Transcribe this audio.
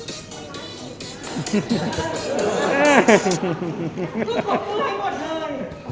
มันเป็นสิ่งที่เราไม่รู้สึกว่า